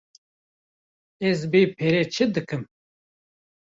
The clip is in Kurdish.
Ez bê pere çê dikim.